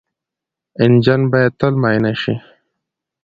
انجن باید تل معاینه شي.